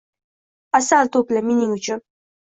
Asal to‘pla mening uchun.